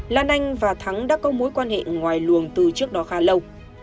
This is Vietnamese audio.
lan anh và thắng đã có mối quan hệ ngoài luồng từ trước đó khá lâu